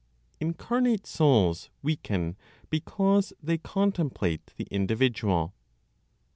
INCARNATE SOULS WEAKEN BECAUSE THEY CONTEMPLATE THE INDIVIDUAL.